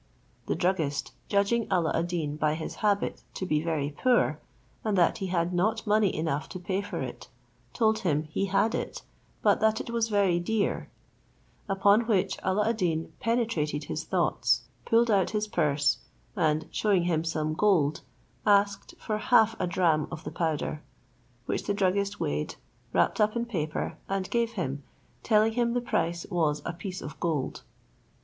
The druggist, judging Alla ad Deen by his habit to be very poor, and that he had not money enough to pay for it, told him he had it, but that it was very dear; upon which Alla ad Deen penetrated his thoughts, pulled out his purse, and shewing him some gold, asked for half a dram of the powder; which the druggist weighed, wrapped up in paper, and gave him, telling him the price was a piece of gold.